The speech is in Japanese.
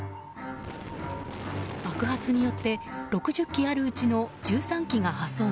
爆発によって６０基あるうちの１３基が破損。